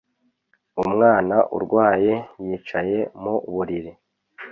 Umwana urwaye yicaye mu buriri